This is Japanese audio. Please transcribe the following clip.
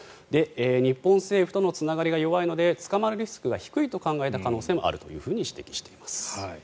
日本政府とのつながりが弱いので捕まるリスクが低いと考えた可能性もあると指摘しています。